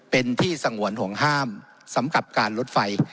เป็นที่สงวนห่วงห้ามสำหรับการลดไฟ